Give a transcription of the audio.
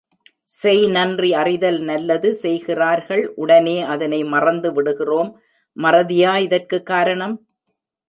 செய் நன்றி அறிதல் நல்லது செய்கிறார்கள் உடனே அதனை மறந்துவிடுகிறோம் மறதியா இதற்குக் காரணம்?